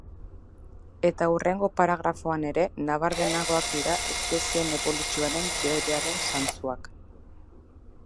Eta hurrengo paragrafoan are nabarmenagoak dira espezieen eboluzioaren teoriaren zantzuak.